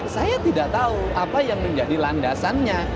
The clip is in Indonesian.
saya tidak tahu apa yang menjadi landasannya